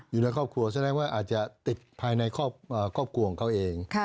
อยู่ในครอบครัวแสดงว่าอาจจะติดภายในครอบครัวของเขาเอง